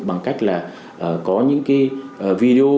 bằng cách là có những cái video